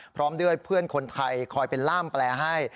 พร้อมด้วยเพื่อนคนไทยคอยเป็นล่ามแปลให้